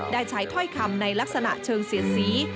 ได้ใช้ถ้อยคำในลักษณะเชิงเสียดสี